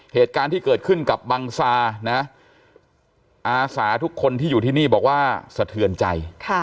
เหตุการณ์ที่เกิดขึ้นกับบังซานะอาสาทุกคนที่อยู่ที่นี่บอกว่าสะเทือนใจ